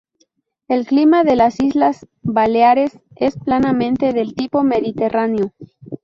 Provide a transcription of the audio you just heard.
El clima de las Islas Baleares es plenamente del tipo mediterráneo.